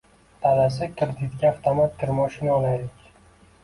Dadasi, kreditga avtomat kirmoshina olaylik